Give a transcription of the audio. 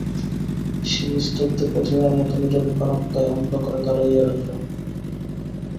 সে নিস্তব্ধ প্রতিমার মতো নীরবে বারান্দায় অন্ধকারে দাঁড়াইয়া রহিল।